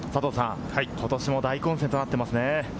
ことしも大混戦となっていますね。